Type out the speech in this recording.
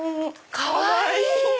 かわいい！